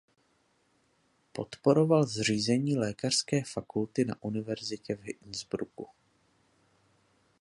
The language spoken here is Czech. Podporoval zřízení lékařské fakulty na univerzitě v Innsbrucku.